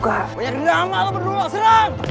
kau nyakirin lama lu berdua serang